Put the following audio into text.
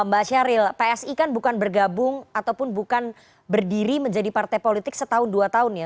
mbak sheryl psi kan bukan bergabung ataupun bukan berdiri menjadi partai politik setahun dua tahun ya